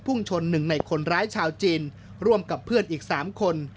่งชนหนึ่งในคนร้ายชาวจีนร่วมกับเพื่อนอีก๓คน